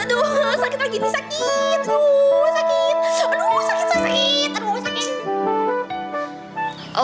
aduh sakit aduh sakit sakit aduh sakit